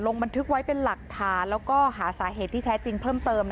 บันทึกไว้เป็นหลักฐานแล้วก็หาสาเหตุที่แท้จริงเพิ่มเติม